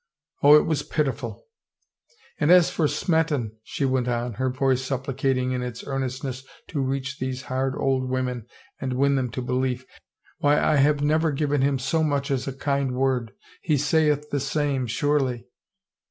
Oh, it was pitiful 1 " And as for Smeton," she went on, her voice supplicating in its earnestness to reach these hard old women and win them to belief, " why I have never given him so much as a kind word. He sayeth the same, surely.